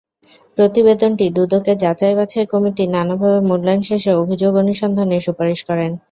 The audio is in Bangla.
প্রতিবেদনটি দুদকের যাচাইবাছাই কমিটি নানাভাবে মূল্যায়ন শেষে অভিযোগ অনুসন্ধানের সুপারিশ করেন।